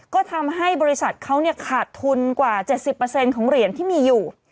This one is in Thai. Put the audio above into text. ก็ทำให้บริษัทเขาเนี้ยขาดทุนกว่าเจ็ดสิบเปอร์เซ็นต์ของเหรียญที่มีอยู่